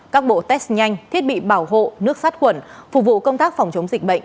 các bộ test nhanh thiết bị bảo hộ nước sát khuẩn phục vụ công tác phòng chống dịch bệnh